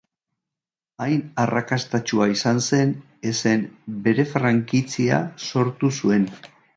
Hain arrakastatsua izan zen ezen bere frankizia sortu zuen.